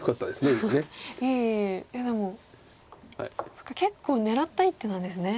そっか結構狙った一手なんですね。